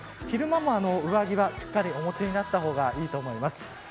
昼間も上着はしっかりお持ちになったほうがいいと思います。